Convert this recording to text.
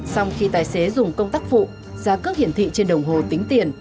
sau khi tài xế dùng công tắc phụ giá cước hiển thị trên đồng hồ tính tiền